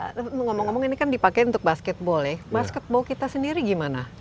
jadi kalau ngomong ngomong ini kan dipakai untuk basketball ya basketball kita sendiri gimana